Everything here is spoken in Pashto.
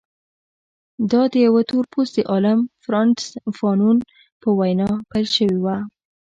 دا د یوه تور پوستي عالم فرانټس فانون په وینا پیل شوې وه.